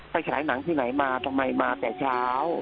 ฉายหนังที่ไหนมาทำไมมาแต่เช้า